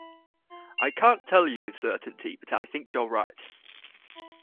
I can't tell you with certainty but I think you're right.